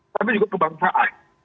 tapi juga kebangsaan